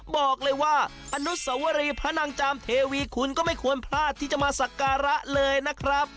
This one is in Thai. บอกเลยว่าอนุสวรีพระนางจามเทวีคุณก็ไม่ควรพลาดที่จะมาสักการะเลยนะครับ